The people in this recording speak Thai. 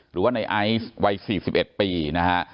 หรือว่าในไอซ์วัย๔๑ปีนะฮะ